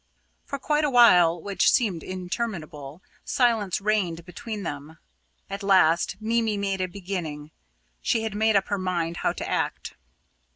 For quite a while which seemed interminable silence reigned between them. At last Mimi made a beginning she had made up her mind how to act.